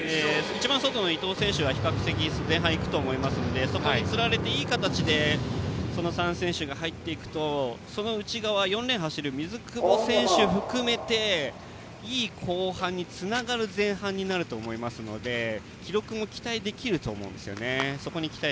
一番外の伊藤選手は比較的前半に行くと思いますのでそこについていけばその内側、４レーンを走る水久保選手を含めていい後半につながる前半になると思いますので記録も期待できると思います。